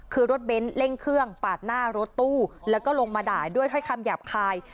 คือรถเบ้นเร่งเครื่องปาดหน้ารถตู้แล้วก็ลงมาด่าด้วยถ้อยคำหยาบคาย